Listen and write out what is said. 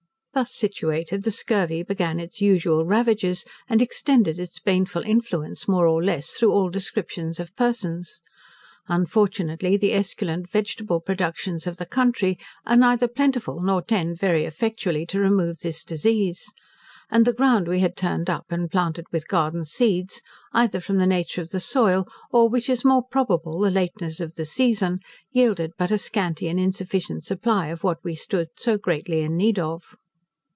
Thus situated, the scurvy began its usual ravages, and extended its baneful influence, more or less, through all descriptions of persons. Unfortunately the esculent vegetable productions of the country are neither plentiful, nor tend very effectually to remove this disease. And, the ground we had turned up and planted with garden seeds, either from the nature of the soil, or, which is more probable, the lateness of the season, yielded but a scanty and insufficient supply of what we stood so greatly in need of.